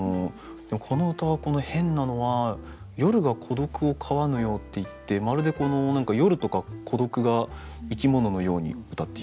この歌変なのは「夜が孤独を飼わぬよう」っていってまるで何か「夜」とか「孤独」が生き物のようにうたっている。